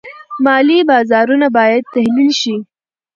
مالي بازارونه باید تحلیل شي.